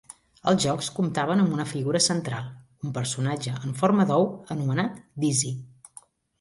Els jocs comptaven amb una figura central: un personatge en forma d'ou anomenat Dizzy.